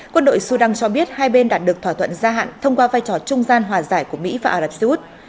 quân đội sudan cho biết hai bên đạt được thỏa thuận gia hạn thông qua vai trò trung gian hòa giải của mỹ và ả rập xê út